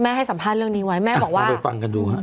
แม่ให้สัมภารกิจเรื่องนี้ไว้เอาไปฟังดูค่ะ